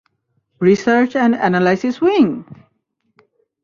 Research and analysis wing?